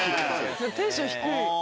テンション低い。